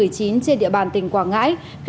trên địa bàn tỉnh quảng ngãi